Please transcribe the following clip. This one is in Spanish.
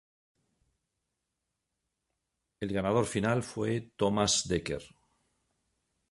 El ganador final fue Thomas Dekker.